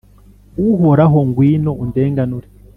Uhoraho, ngwino undenganure.